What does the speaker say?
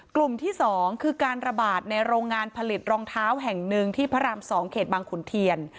กลุ่มที่๒คือการระบาดในโรงงานผลิตรองเท้าแห่งหนึ่งที่พระราม๒เขตบางขุนเทียน